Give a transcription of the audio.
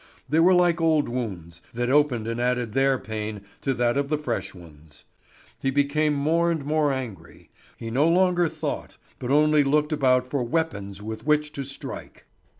They were like old wounds, that opened and added their pain to that of the fresh ones. He became more and more angry; he no longer thought, but only looked about for weapons with which to strike.